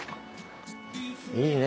いいね。